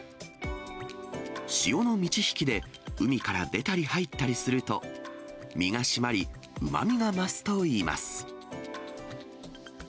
潮の満ち引きで、海から出たり入ったりすると、身が締まり、うまみが増すといいます。